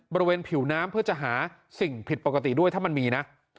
บริเวณผิวน้ำเพื่อจะหาสิ่งผิดปกติด้วยถ้ามันมีนะ